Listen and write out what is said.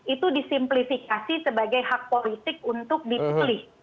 itu disimplifikasi sebagai hak politik untuk dipilih